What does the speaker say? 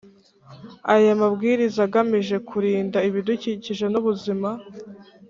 Aya mabwiriza agamije kurinda ibidukikije n ubuzima